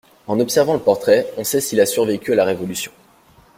En observant le portrait, on sait s'il a survécu à la révolution.